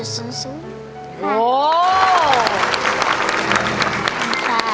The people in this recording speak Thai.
ขอบคุณค่ะ